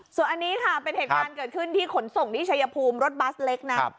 ส่วนอันนี้ค่ะเป็นเหตุการณ์เกิดขึ้นที่ขนส่งที่ชายภูมิรถบัสเล็กนะ